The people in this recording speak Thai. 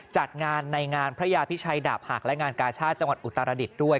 จัดงานในงานพระยาพิชัยดาบหักและงานกาชาติจังหวัดอุตรดิษฐ์ด้วย